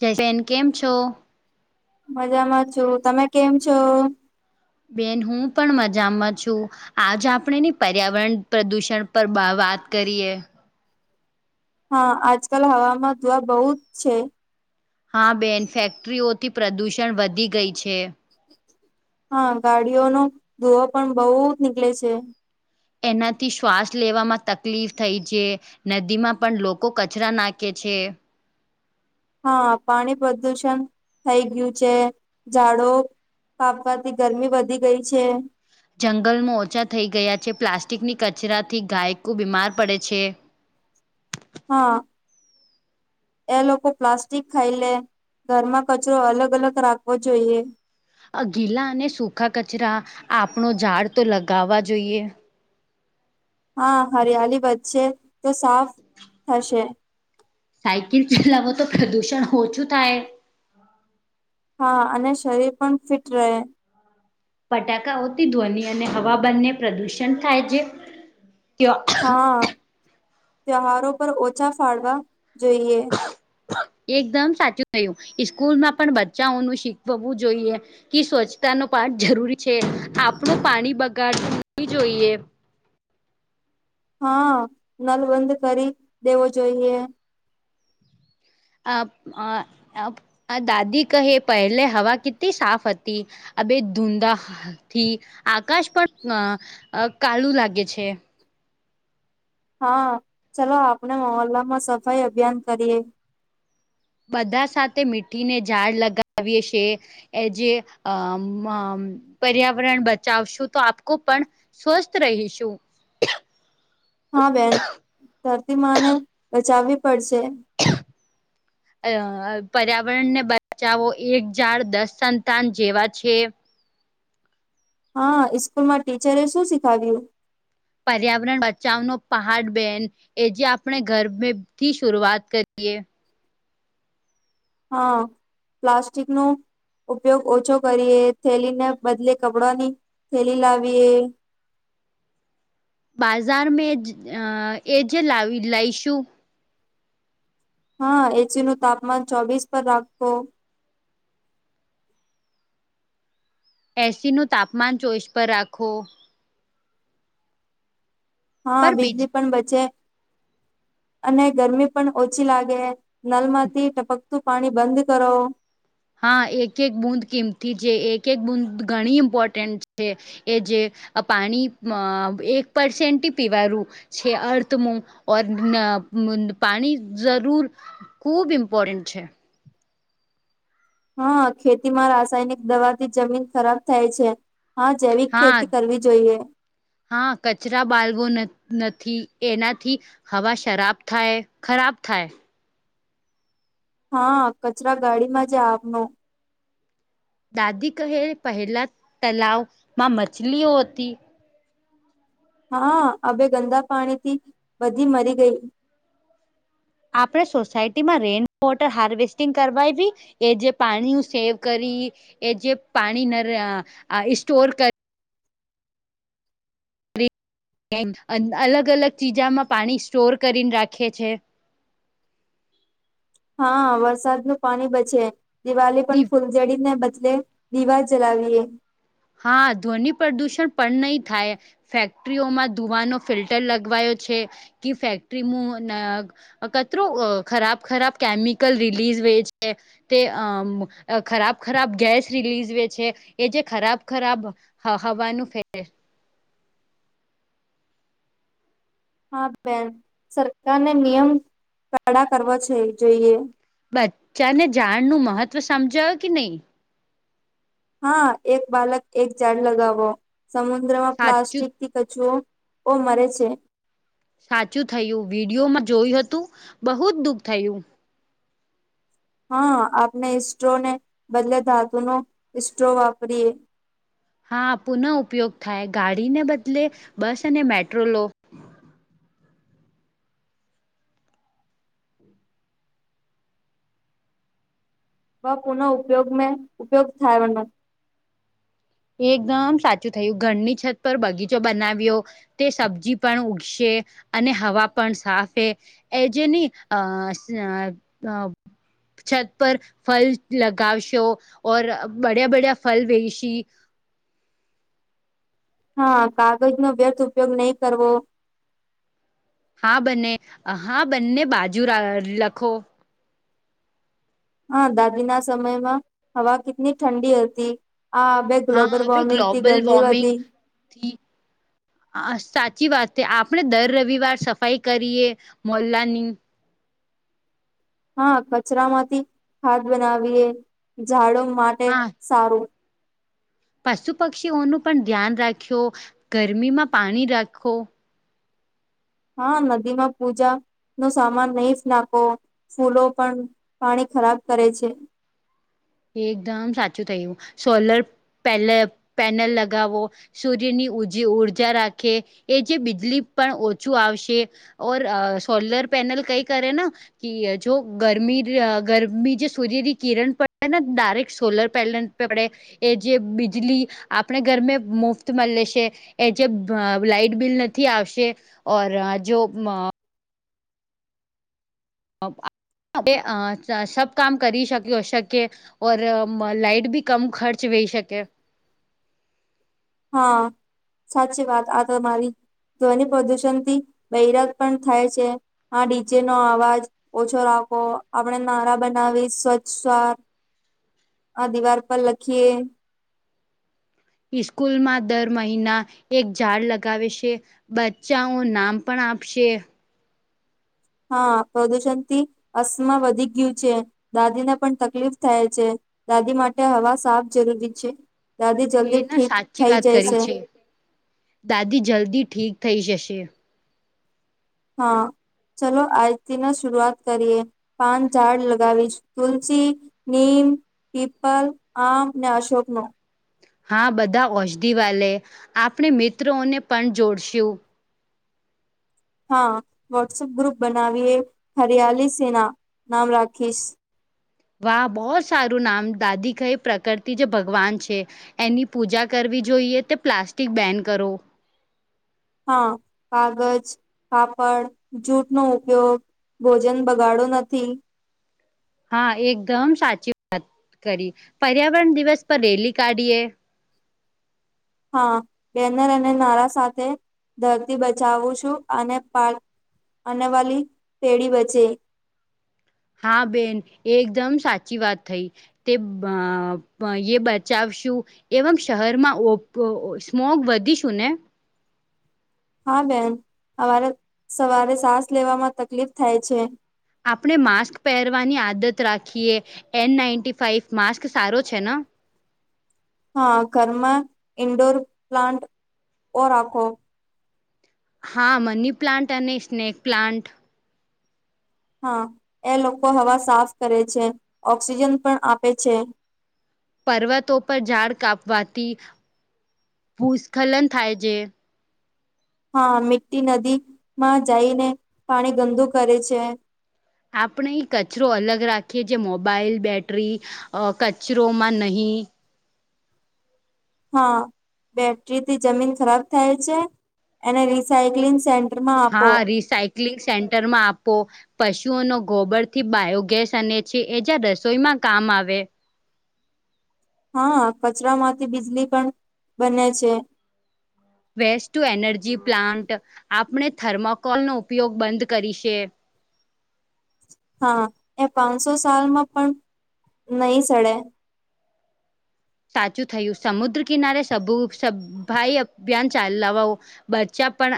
જયફેન કેમ છો. મજામાં છું તમે કેમ છો. બેન હું પણ મજામાં છું. આજ આપણે ની પર્યાવરણ પ્રદૂષણ પર વાત કરીએ. હા આજકાલ હવામાં દુઆ બહુ જ છે. હા બેન ફેક્ટરીઓથી પ્રદુષણ વધી ગઈ છે. હા ગાડીઓનો ધોવો પણ બહુ જ નીકળે છે. એનાથી શ્વાસ લેવામાં તકલીફ થઈ છે. નદી માં પણ લોકો કચરા નાખે છે. હા પાણી પ્રદુષણ થઈ ગયું છે ઝાડો. પાપવાથી ગરમી વધી ગઈ છે. જંગલમાં ઓછા થઈ ગયા છે પ્લાસ્ટિકની કચરા થી ગાયકો બીમાર પડે છે. હા એ લોકો પ્લાસ્ટિક ખાય લે. ઘરમાં કચરો અલગ અલગ રાખવો જોઈએ. ગીલા અને સૂખા કચરા આપણો ઝાડ તો લગાવવા જોઈએ. હા હરિયાળી વધશે તો સાફ થશે. સાયકલ ચલાવો તો પ્રદુષણ ઓછું થાય. હા અને શરીર પણ ફિટ રહે. ફટાકાઓતી ધ્વનિ અને હવા બંને પ્રદૂષણ થાય છે. હા ત્યહારો પર ઓછા ફાળવા જોઈએ. એકદમ સાચું નયું સ્કૂલ માં પણ બચ્ચાઓનું શીખવવું જોઈએ. કે સ્વચ્છતા ન પાઠ જરૂરી છે આપણ પાણી બગાડતું નહી જોઈએ. હા નલબંધ કરી દેવો જોઈએ. આ અ અ દાદી કહે પહેલે હવા કેટલી સાફ હતી આ બે ધૂંધાથી આકાશ પણ અ કાલું લાગે છે. હા ચલો આપણે મોલ્લામાં સફાઈ અભિયાન કરીએ બધા સાથે મીઠીને ઝાડ લગાવીએ છે. એ જે અ મ પર્યાવરણ બચાવશું તો આપકો પણ સ્વસ્થ રહીશું હા બેન ધરતી માને બચાવવી પડશે અ પર્યાવરણ ને બચાવો એક ઝાડ દસ સંતાન જેવા છે. હા ઈસ્કુલ માં ટીચરે શું શીખાવ્યું? પર્યાવરણ બચાવનો પહાડ બેન એ જે આપણે ઘર થી શરૂઆત કરીએ હા પ્લાસ્ટિક નું ઉપયોગ ઓછો કરીએ થેલીને બદલે કપડાની થેલી લાવીએ બાજાર જ મે અ એ જે લાવી લઈશું હા એચયુ નું તાપમાન ચોવીસ પર રાખો એસીનું તાપમાન ચોઈસ પર રાખો હા પર બીજ બીજલી પણ બચે અને ગરમી પણ ઓછી લાગે નલમાંથી ટપકતું પાણી બંધ કરો. હા એક એક બૂદ કિમતી છે એક એક બૂદ ઘણી ઇમ્પોર્ટન્ટ છે. એ જે પાણી મ એક પરસેન્ટથી પીવારુ છે અર્થ મુ [unintelligible] પાણી જરૂર ખુબ ઇમ્પોર્ટન્ટ છે. હા ખેતી માં રાસાયણિક દવાથી જમીન ખરાબ થાય છે. હા જૈવિક હા ખેતી કરવી જોઈએ હા કચરા બાલવો નથ નથી એનાથી હવા શરાબ થાય ખરાબ થાય હા કચરા ગાડીમાં જ આપનો દાદી કહે પહેલા તલાાવમાં મછલીઓ હોતી હા અવે ગંદા પાણી થી બધી મરી ગઈ. આપણે સોસાયટી માં રેઇન વોટર હાર્વેસ્ટિંગ કરવાયવી એ જે પાણીનું સેવ કરી એ જે પાણી ન સ્ટોર કરી અલગ અલગ ચીજામાં પાણી સ્ટોર કરીને રાખે છે. હા વરસાદ નું પાણી બચે દિવાળી પણ ફૂલ જડીનને બદલે રીવા જલાવીએ હા ધ્વનિ પ્રદુષણ પણ નહી થાય ફેક્ટરીઓમાં ધુવાનો ફિલ્ટર લગવાયો છે કે ફેક્ટરી મુ ન અ કચરો ખરાબ ખરાબ કેમિકલ રિલીઝ વેય છે. તે અ ખરાબ ખરાબ ગેસ રિલીઝ વે છે એ જે ખરાબ ખરાબ હ હવાનું ફેરે હા બેન સરકારને નિયમ કડા કરોવા છે જોઈએ બચ્ચાને જાડ નું મહત્વ સમજાયો કે નહી હા એક બાલક એક ઝાડ લગાવો સમુદ્રમાં સાચું પ્લાસ્ટિક થી કચુંઓ ઓ મરે છે. સાચું થયું વિડીયોમાં જોયું હતું બહુ જ દુઃખ થયું હા આપણે ઇસ્ટ્રો ને બદલે ધાતુનો ઇ સ્ટ્રો વાપરીયએ હા પુનઃ ઉપયોગ થાય ગાડીને બદલે બસ અને મેટ્રો લો બ પુન ઉપયોગમાં ઉપયોગ થાય વન એકદમ સાચું થયું ઘરની છત પર બગીચો બનાવ્યો. તે સબ્જી પણ ઉગશે અને હવા પણ સાફે એજ નહી અ સ અ છત પર ફલ લગાવશો ઓર બડ્યા બડ્યા ફલ વેશી હા કાગજ નો વ્યર્થ ઉપયોગ નહીં કરવો. હા બને હા બંને બાજુ લખવો હા દાદી ના સમયમાં હવા કેટલી ઠંડી હતી આ. ગ્લોબલ હવે વોર્મિંગ થી ગ્લોબલ ગરમી વોર્મિંગ વધી. હા. આ સાચી વાત છે આપણે દર રવિવાર સફાઈ કરીએ મહોલ્લાની. હા કચરા માંથી ખાદ બનાવીએ ઝાડો માટે હા સારું. પશુ પક્ષીઓનું પણ ધ્યાન રાખ્યો ગરમીમાં પાણી રાખો. હા નદીમાં પૂજા નો સામાન નહી જ નાખો. ફૂલો પણ પાણી ખરાબ કરે છે. એકદમ સાચું થયું સોલર પેલ પેનલ લગાવો. સૂર્યની ઉજે ઊર્જા રાખે એ જે બીજલી પણ ઓછું આવશે. ઓર સોલર પેનલ કઈ કરે ના જો ગરમી ગરમી જે સૂર્યની કિરણ પણ એન ડાયરેક્ટ સોલર પેનલ પેડે. એ જે બીજલી આપણે ઘરમે મુફ્ત મ લે છે. એ જે લાાઈટ બિલ નથી આવશે ઓર જો સબ કામ કરી શકયો શકે. ઓર લાઈટ ભી કમ ખર્ચ વેહી શકે. હા સાચી વાત આ તો મારી. ધ્વનિ પ્રદુષણથી બૈરાત પણ થાય છે આ ડીચેનો અવાજ. ઓછો રાખવો આપણે નારા બનાવી સ્વચ્છ આ દિવાર પર લખીએ. ઇસ્કૂલમાં દર મહિના એક ઝાડ લગાવે છે. બચ્ચાઓ નામ પણ આપશે. હા પ્રદુષણ થી અસમા વધી ગયું છે દાદીને પણ તકલીફ થાય છે. દાદી માટે હવા સાફ જરૂરી છે દાદી એ જલ્દી ના ઠીક સાચી થઈ વાત જાય કરી છે. દાદી જલ્દી ઠીક થઈ જશે. હા ચલો આજથી ન શરૂઆત કરીએ. પાન ઝાડ લગાવીશ તુલસી નીમ. પીમ્પલ એપલ આમ ને અશોક નો હા બધા ઔષધિ વાલે આપણે મિત્રોને પણ જોડશું. હા વોટ્સપ ગ્રુપ બનાવીએ હરિયાલી સેના નામ રાખીશ. વાહ બહ જ સારું નામ દાદી કઈ પ્રકતિ જે ભગવાન છે. એની પૂજા કરવી જોઈએ તે પ્લાસ્ટિક બેન કરો. હા કાગજ પાપડ જૂટ નો ઉપયોગ ભોજન બગાડો નથી. હા એકદમ સાચી વાત કરી પર્યાવરણ દિવસ પર રેલી કાઢીએ. હા બેનર અને નારા સાથે ધરતી બચાવું છું અને આને વાલી પેઢી બચે. હા બેન એકદમ સાચી વાત થઈ. તે એ બચાવશું. એવ મ શહેરમાં ઓ સ્મોગ વધીશું ને હા બેન અમારે સવારે સાસ લેવામાં તકલીફ થાય છે. આપણે માસ્ક પહેરવાની આદત રાખીએ એન નાઈન્ટી ફાઈવ માસ્ક સારો છે ને હા ઘરમા ઇન્ડોર પ્લાન્ટ ઓ રાખો હા મની પ્લાન્ટ અને સ્નેક પ્લાન્ટ હા એ લોકો હવા સાફ કરે છે ઓક્સિજન પણ આપે છે. પર્વતો પર ઝાડ કાપવાથી ભૂસ્ખલન થાય છે. હા મીટી નદી માં જઈને પાણી ગંદુ કરે છે. આપણે એ કચરો અલગ રાખીએ, જે મોબાઈલ, બેટરી અ કચરોમાં નહીં. હા, બેટરી થી જમીન ખરાબ થાય છે, અને ને રિસાયક્લિંગ સે હા, રિસાયક્લિંગ સેન્ટરમાં આપો. પશુઓનો ગોબર થી બાયોગેસ અને છે, એ જ્યા રસોઈમાં કામ આવે. હા, કચરા માંથી વીજળી પણ બને છે. વેસ્ટુ-એનર્જી પ્લાન્ટ આપણે થર્મકોલ નો ઉપયોગ બંધ કરી છે. હા, એ પાંચસો સાલમાં પણ નહી સડે. સાચું થયું, સમુદ્ર કિનારે સ સફાઈ અભિયાન ચલાવઓ. બચ્ચા પણ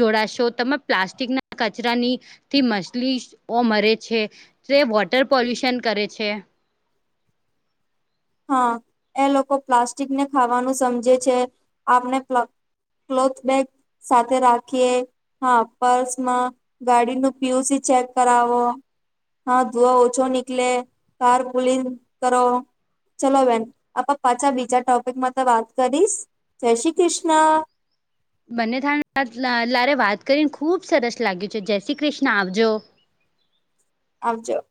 જોડાશો, તમે પ્લાસ્ટિકના કચરાની. થી મછલીઓ મરે છે, તે વોટર પોલ્યુશન કરે છે. હા, એ લોકો પ્લાસ્ટિકને ખાવાનું સમજે છે, આપને ક્લોથ બેગ સાથે રાખીએ. હા, પર્સમાં ગાડી નું પી. યુ. સી ચેક કરાવો. હા, ધુઆ ઓછો નીકલે, કાર પુલીન કરો. ચલો, વેન, આપ પાછા બીજા ટોપિકમાં તો વાત કરીશ. જય શ્રી કૃષ્ણ. બંને થાય, લારે વાત કરીને ખુબ સરસ લાગ્યું છે. જય શ્રી કૃષ્ણ. આવજો. આવજો.